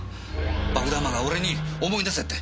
爆弾魔が俺に思い出せって。